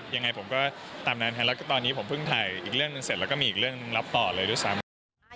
ยังไงผมก็ตามนั้นแหละตอนนี้ผมเพิ่งถ่ายอีกเรื่องเสร็จแล้วก็มีอีกเรื่องรับต่อเลยด้วยซ้ำ